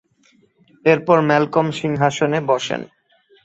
এরপর ম্যালকম সিংহাসনে বসেন।